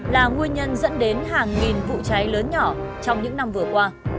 là nguyên nhân dẫn đến hàng nghìn vụ cháy lớn nhỏ trong những năm vừa qua